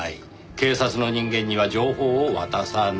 警察の人間には情報を渡さない。